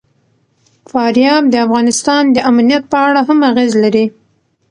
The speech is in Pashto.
فاریاب د افغانستان د امنیت په اړه هم اغېز لري.